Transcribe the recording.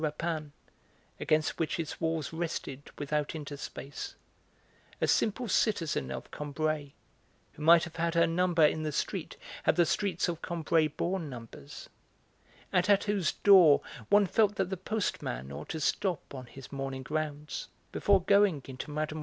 Rapin, against which its walls rested without interspace; a simple citizen of Combray, who might have had her number in the street had the streets of Combray borne numbers, and at whose door one felt that the postman ought to stop on his morning rounds, before going into Mme.